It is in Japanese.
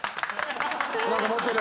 何か持ってる。